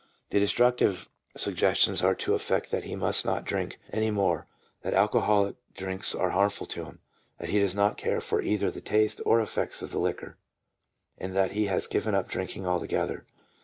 The destructive suggestions are to the effect that he must not drink any more, that alcoholic drinks are harmful to him, that he does not care for either the taste or effects of liquor, and that he has given up drinking altogether.